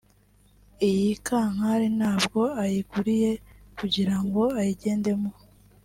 Iyi kankari ntabwo ayiguriye kugirango ayigendemo